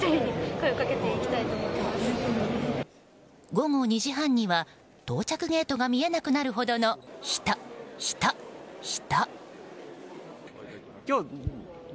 午後２時半には到着ゲートが見えなくなるほどの人、人、人。